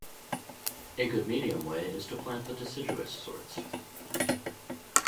A good medium way is to plant the deciduous sorts.